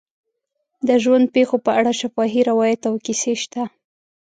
د ژوند پېښو په اړه شفاهي روایات او کیسې شته.